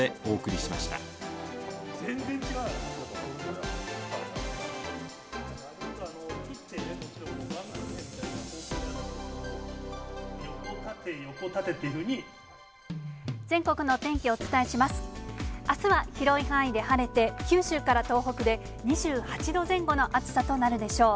あすは広い範囲で晴れて、九州から東北で、２８度前後の暑さとなるでしょう。